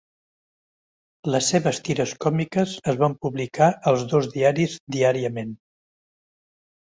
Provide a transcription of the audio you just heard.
Les seves tires còmiques es van publicar als dos diaris diàriament.